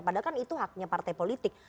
padahal kan itu haknya partai politik